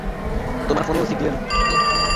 তোমার ফোনেও সিগন্যাল নেই।